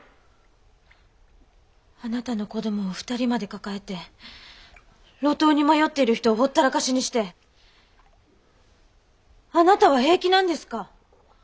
あなたの子どもを２人まで抱えて路頭に迷っている人をほったらかしにしてあなたは平気なんですか？